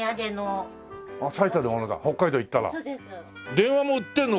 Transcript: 電話も売ってるの？